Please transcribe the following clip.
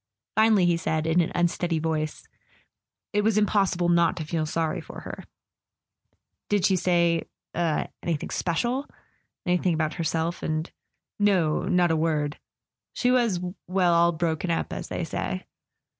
Finally he said, in an unsteady voice: "It was impossible not to feel sorry for her." "Did she say—er—anything special ? Anything about herself and " "No; not a word. She was—well, all broken up, as they say."